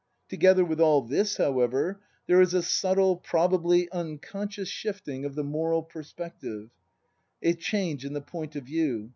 Together with all this, however, there is a subtle, prob ably unconscious, shifting of the moral perspective, a change in the point of view.